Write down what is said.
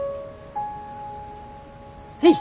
はい。